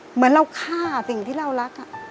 เหมือนเราฆ่าสิ่งที่เรารัก